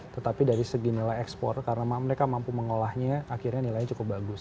tetapi dari segi nilai ekspor karena mereka mampu mengolahnya akhirnya nilainya cukup bagus